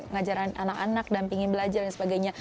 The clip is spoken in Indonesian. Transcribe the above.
ngajaran anak anak dan pingin belajar dan sebagainya